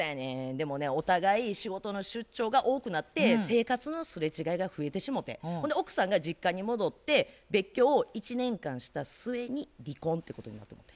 でもねお互い仕事の出張が多くなって生活のすれ違いが増えてしもうてほんで奥さんが実家に戻って別居を１年間した末に離婚ってことになってもうて。